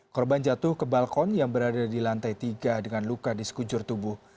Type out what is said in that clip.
korban jatuh ke balkon yang berada di lantai tiga dengan luka di sekujur tubuh